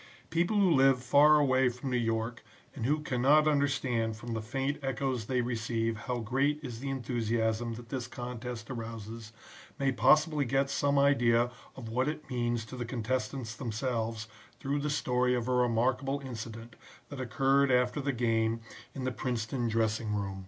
"People who live far away from New York and who cannot understand from the faint echoes they receive how great is the enthusiasm that this contest arouses, may possibly get some idea of what it means to the contestants themselves through the story of a remarkable incident, that occurred after the game in the Princeton dressing room.